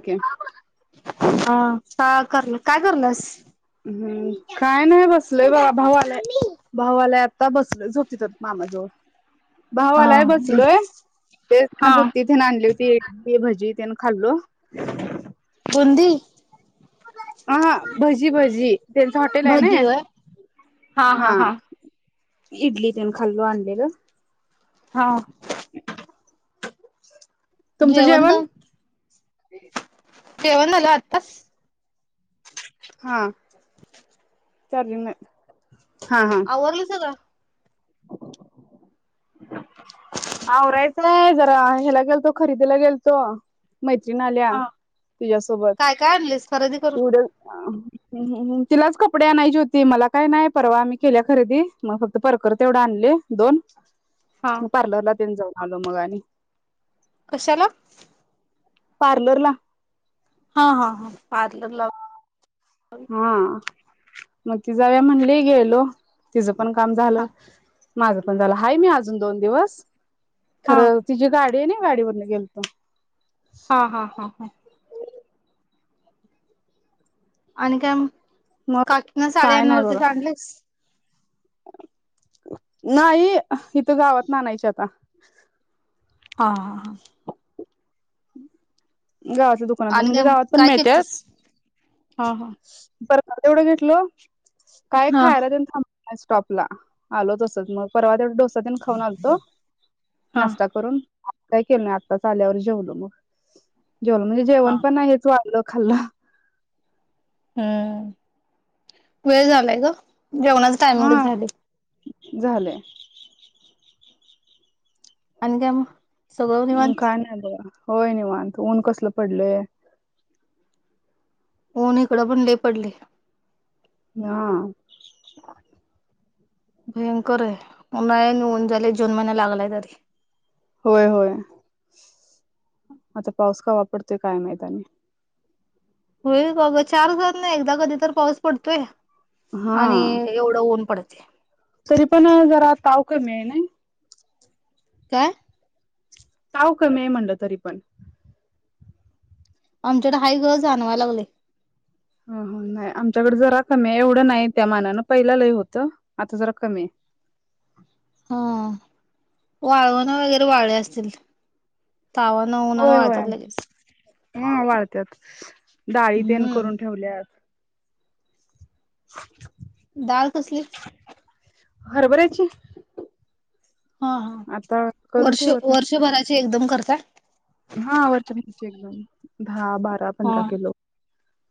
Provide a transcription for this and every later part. Okay हा का करल काय करलस हम्म काय नाही बसलय बा भाऊआलाय भाऊआलाय आता बसलय झोपथ मामाजवळ भाऊ हा आलाय बसलोय ते त्यांना हा बुद्धीथ आणले हो ती भजी त्या खाल्लो बुंदी झी बजी त्यांच हॉटेल आहे ना भजी होय हा इडली पण खाल्लो आणलेलं हा [unintelligible] तुमचं जेवण जेवण झालं आत्ताच हा चार्जिंग न आवली स का आवरायचं नाहीय जरा ह्याला गेलतो खरेदीला गेलतो मैत्रिण आल्या हा तुझ्यासोबत काय काय आणलीस खरेदी करून पुढ तिलाच कपडे आणायची होती मला काय नाही परवा आम्ही केल्या खरेदी मग फक्त परकर तेवढं आणले दोन हा मग प्लर ला देऊन जाऊ आलो मगणी कशाला पार्लर ला हा हा हा पार्लर लाव हा मग ति जाव्या म्हणले गेलो तिचं पण काम झालं माझं पण झालं आहेय मी अजून दोन दिवस हा खरं तिची गाडी नाही गाडीवरून गेलतो हा हा हा हा आणि काय मग काकींना काय नाही साडयांनवरती बघा साडलीस नाही इथं गावातना आणायच्या आता हा हा हा गावातल्या दुकानातन आणि काय म्हणजे मग गावात पण काय मिळत्यात केलतीस हा हा परकार तेवढं घेतल काय हा खायला तेन थांब स्टॉपला आलो तसंच मग परवा तेवढ डोस तेन खाऊन आलतो हा नाश्ता करून. काय केलं नाय आताच आल्यावर जेवलो मग जेवल्यो म्हणजे म्हणजे हा जेवण हेच वाढलं खाल्ला हम् वेळ झालाय ग जेवणाच टायमिंगच झाली. झालय. आणि काय म अ काय नाय [unintelligible] होय निवांत ऊन कसलं पडलय. ऊन इकडं पण लय पडलय. हा भयंकर आहे उन्हाळ्यानी ऊन झाले जून महिना लागलाय तरी होय होय. आता पाऊस कवा पडतोय काय माहित आणि होईल बघ चार दिवसातना एकदा कधी तर पाऊस पडतोय. आणि हा एवढं ऊन पडत [unintelligible] तरी पण जरा काव कमी हाय नय. काय? साव कमी आहे म्हणलं तरी पण आमच्याकड हाय ग जाणवाया लागलय. हं हं नाही आमच्याकड जरा कमी आहे एवढं नाही त्या मानानं पहिल्या लय होतं आता जरा कमी आहे. हा वाळवन वगैरे वाळेले असतील. तावान उन्हान होय वाळत्यात होय लगेच हा वाळत्यात. डाळी तेन हम्म करून ठेवल्यात [unintelligible] डाळ कसली? हरभऱ्याची हा हा आता करून वर्ष ठेवत वर्षभराचे एकदम करत का. नाही हा वरच्या भागाची एकदम. हा बारा हा पंधरा किलो.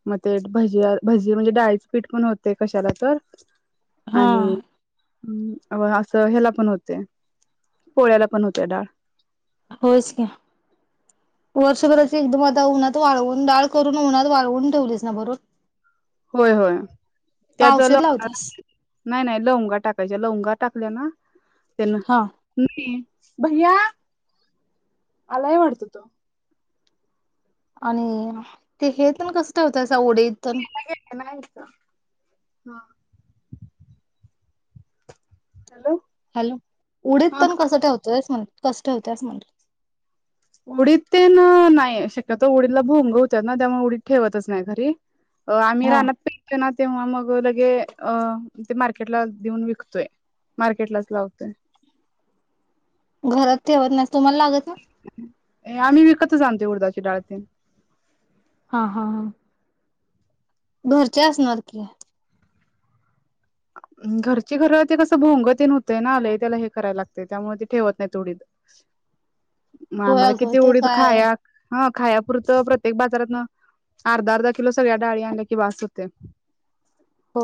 मग ते भजी भजी म्हणजे डाळीच पीठ पण होते कशाला तर. हा हम् असं ह्याला पण होते पोळ्याला पण होते डाळ. होच का्या. वर्षभराची एकदम आता उन्हात वाळवून डाळ करून उन्हात वाळवून ठेवलीस ना भरून. होय होय. का त्यात औषध लवंग लावतास? नाही नाही लवंगा टाकायच्या लवंगा. टाकले ना. त्यांना हा नाही. भैया आलाय वाटत तो. आणि ते हे कस होत तळ उठीद हा हॅलो उडीत हा पण कस ठेवत. कसं ठेवतेस म्हटलं. उडीत ते ना नाही शक्यतो उडीला भोंगवत ना त्यामुळे उडीत ठेवतच नाही घरी. अ आम्ही हा रानातं पैक ना. तेव्हा मग लगे अ ते मार्केटला देऊन विकतोय मार्केटलाच लावतोय. घरात ठेवत न तुम्हाला लागत ना आम्ही विकतच जातो उडदाची डाळातेन. हा हा हा घरचे असणार की. घरची घर ते कसं भोंगतेन होतय ना आले त्याला हे करायला लागतय त्यामुळे ते ठेवत नाही थोडी. मग होय आम्हाला अगं किती ते उढत काय खाया ह खाया पुुरतं प्रत्येक बाजारात. अर्धा अर्धा किलो सगळ्या डाळ आणल्या की बस होते हो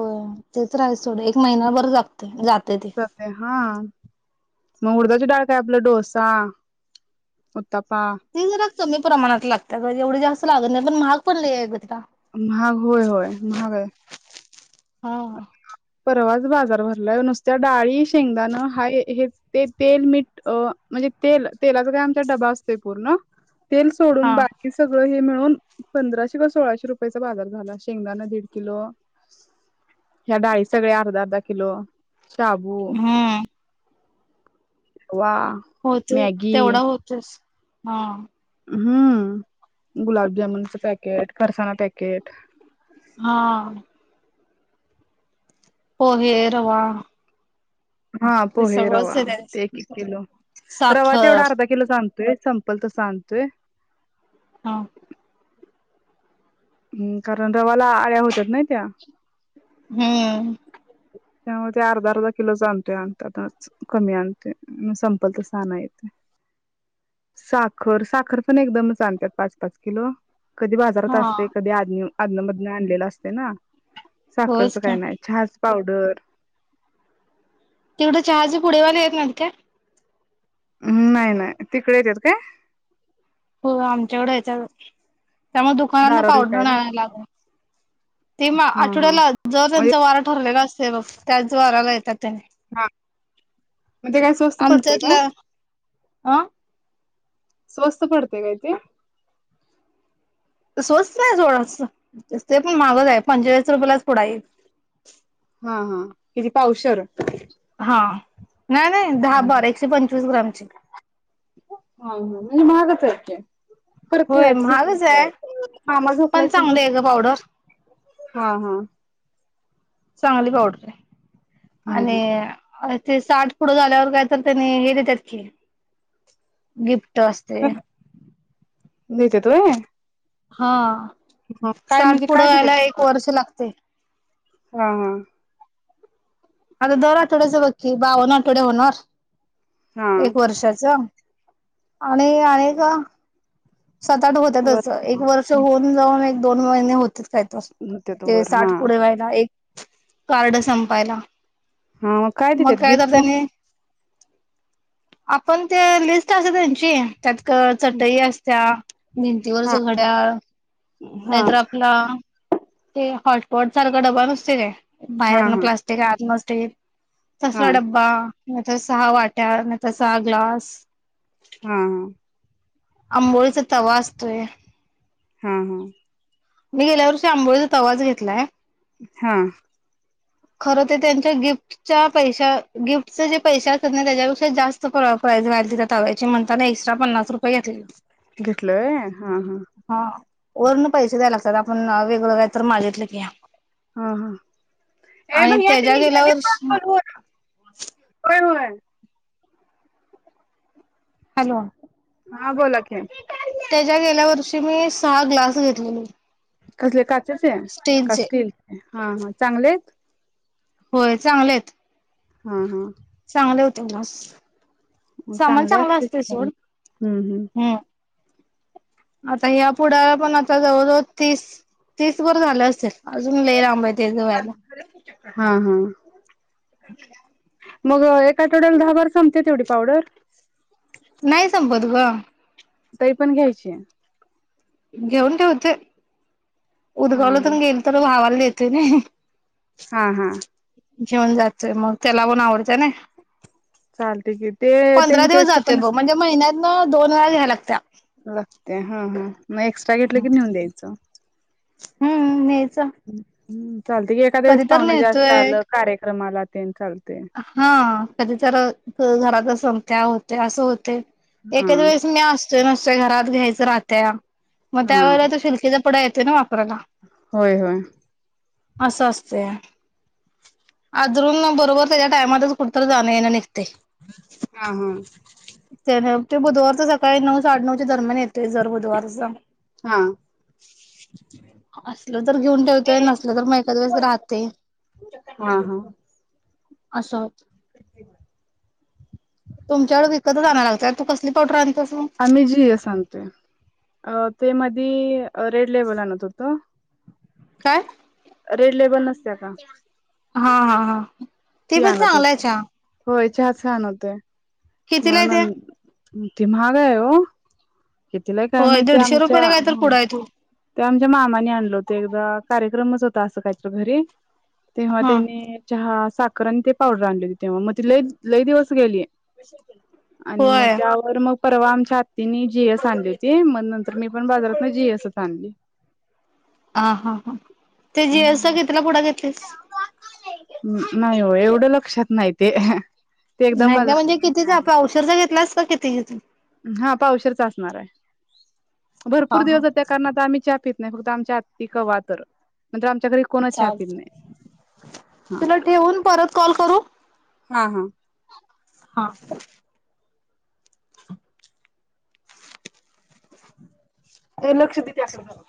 तेच राहा थोड एक महिना बर जगते जात. जाते हा मग उडदाची डाळ काय आपला डोसा उताप. ति जरा कमी प्रमाणात लागतात ग एवढे जास्त लागत नाही पण महाग पण लय आहे ग त्या. महाग होय होय महाग आहे हा परवाच बाजार भरलाय नुसत्या डाळी शेंगदाण हा हे ते तेल मीठ म्हणजे तेल तेलाचा काय आमचा डबा असतोय पूर्ण. तेल हा सोडून बाकी सगळं हेळ. पंधराशे कवा सोळाशे रुपयाचा बाजार झाला शेंगदाणा दीड किलो या्या डाळी सगळ्या अर्धा अर्धा किलो साबू होत तेवढं मॅगी होतच हम हम्म गुलाबजामुनचं पॅकेट परसाना पॅकेट हा हो हेर वा हा पोहे रवा ते एक किलो रवा साखर तेवढा अर्धा किलो चालतो य संपल त सगतोय हा हम्म कारण रवाला आळ्या होतात नाही त्या हम्म त्यामुळे ते अर्धा अर्धा किलोच आणतोय आणतात कमी आणते संपल तर सहाण येते साखर साखर पण एकदमच आणतात पाच पाच किलो कधी बाजारात हा असते कधी आदमी अजनमधन आणलेला असते ना साखस होच काय का नाही छ पावडर तेवढं चहाचे पुढवाला येत ना का नाही-नाही तिकडे येत्यात काय? हो आमच्याकडं याच्या त्यामुळे दुकाना दारावर पावडर विकायला आणयला लागलं ते म हा हा. आठवड्याला जर म्हणजे त्यांचा वार ठरलेला अस ते बघ त्याच द्वाराला येतात त्यांनी. हा म ते काय स्वस्त पडतय का? आं? स्वस्त पडते काय ते? स्वस्त नाही [unintelligible] ते पण माहगच आहे पंचेचाळीस रुपयालाच पुडा ईल हा-हा किती पावशर? हां नाही- नाही हा दहा बारा एकशे पंचवीस ग्रामचे. आणि महागच आहे की परत खेळायचं झोपुन महागच आहे उठल्यावर. मामा झोपलाय पण त चांगली झोप. आहे ग पावडर हा - हा चांगली पावडर हे. हा हा. आणि अं ते साठ पुढे झाल्यावर काय तर त्यानी हे देतात की गिफ्ट. असते खं देतात व्हय? हां काय साठ म्हणजे काय पुढं यायला देत्यात एक वर्ष लागते. हा - हा आता दर आठवड्याच बघ की बावन आठवडे होणार. हा एक वर्षाचा. आणि आडे का? साताठ वर होत्यातच एक वर्ष होऊन जाऊनही दोन महिने होते [unintelligible] देत्यात ते वर हा साठ पुढे व्हायला एक कार्ड संपायला हा मग देत्यात काय तर गिफ्ट त्याने आपण ते लिस्ट अस त्यांची त्यात क चटई अस हां भिंतीवरच हा घड्याळ हा नाहीतर आपला ते हॉटपॉट सारखं डबा नसते काय! हा बाहेरन हा प्लास्टिक आत नस ते हा तसला ड्बा नाही त सहा वाट्या नाही त सहा ग्लास हा ह आंबोळीचा तवा असतोय हा हा मी गेल्या वर्षी आंबोळीचा त आवाज घेतलाय हा खरं ते त्यांच्या गिफ्टच्या पैश गिफ्टचे जे पैसे असत ना त्याच्यापेक्षा जास्त प्राइस व्हाय त्याताव्याचे म्हणताना एक्स्ट्रा पन्नास रुपये घेतले घेतलंय हा हा वरण पैसे द्याय लागात आपण वेगळं का तर मागितलं की हा हा ए आणि भै ते त्याच्या न गेल्या वर्षी होय होय [unintelligible] हॅलो हा बोलाक त्याच्या गेल्या वर्षी मी सहा ग्लास घेतलेली कसले का त्या का स्ट हा हा चांगले आहेत होय चांगलेत हा हा. चांगले होते बस. चांगले असतील प हम्म हम्म. आता या्या पुढाला पण आता जवळ जवळ तीस तीस वर झालं अस. अजून ल लांबाय ते ज वयला. हा हा मग एक आठवड्याला दहा बार संपते तेवढी पावडर नाही संपत ग. तरी पण घ्यायची. घेऊन ठेऊते. हा हा उदगावलाून गेल तर भावाला ते ना. हा हा. घेऊन जायचंय मग त्याला पण आवडत्या नइ. चालते की ते त्याची टेस्ट पण बघ म्हणजे दोन वेळा घ्यायला लागत्या. लागते हा हा. मग एक्स्ट्रा घेतलं की नेऊन द्यायचं. हम्म हेच हम्. हम्म. चालते की एका दिवस तर पाहन जास्त नेतोय आलं कार्यक्रमाला. चाल. हा कधी तर घरात असम त्या होत. ते असं होते. हा एकाद वेळेस मी असतोय मत. घरात घ्यायचं राहत. मग हा त्या वळेला शिल्कचा य ना. वापरायला होय हो. असं असते आजरून बरोबर. त्याच्या टायमच कुतं जा आहे. ते हा हा तर. ते बुधवार च सळी नऊ साडे नऊ दर्मन येत. जर बुधवारचा हा. असल तर घेऊन ठेवतोय नसल तर मग एखकाद वेळेस राहते. हा हा असं होत. [inaudible] तुमच्याकडे विकत जाणार लागतय तू कसली पावडर आण आम् जी अस स ते अ ते मध रेड लेवल आणत होत काय रेड लेबल नसत्या का हा हा हा ते पण ना आलायच्या चच खानते येत्या? मानंद ते महागा हो खतीला काय होय माहिती दीडशे आमच्या रुपयाला कायतर पुडा आहे तो. ते आमच्या मामाने आणलं होत एकदा कार्यक्रमच होता असं काहीच्या घरी तेव्हा हा त्यांनी चहा कर आणि ते पावडर आणली हो त तेव्हा मग ती ल लई दिवस गेली आणि मग होय त्यावर मग परवा आमच्या हत्तीनी जीएस आणली होती मग नंतर मी पण बाजारात ना जीसच आणली ह हा हा ते जीस घेतला पुढा घेत खस नाही हो एवढं लक्षात नाही ते ते एकदम नाहीग म्हणजे कितीच आपण बाजारात औषर ज घेतलास का किती घ हा पावशीरचा असणार आहे हा भरपूर हा दिवसात त्या कारणा आ आम्ही चहा पितो नाही फक्त आमच्या आत्ती कवा तर नंतर आमच्या घरी कोणच चहा ् पित नाही. हा तुला ठेवून परत कॉल करू हा हा हा [unintelligible] ते लक्ष देते असेल